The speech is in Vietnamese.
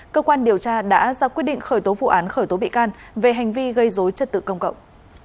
cơ quan điều tra đã ra quyết định khởi tố vụ án khởi tố bị can về hành vi gây dối trật tự công cộng